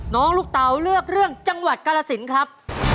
ลูกเตาเลือกเรื่องจังหวัดกาลสินครับ